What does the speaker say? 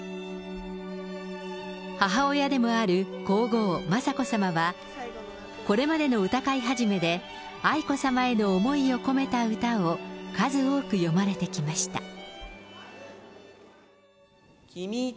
母親でもある皇后雅子さまはこれまでの歌会始で、愛子さまへの思いを込めた歌を数多く詠まれてきました。